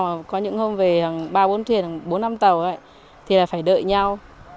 mà có những hôm về ba bốn thuyền hoặc bốn năm tàu thì là phải đợi nhau